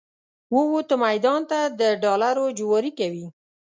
ووته میدان ته د ډالرو جواري کوي